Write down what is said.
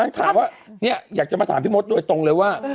นั่นถามว่าอยากจะมาถามพี่มดโดยตรงเลยว่า